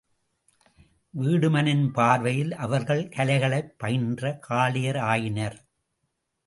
வீடுமனின் பார்வையில் அவர்கள் கலைகளைப் பயின்ற காளையர் ஆயினர்.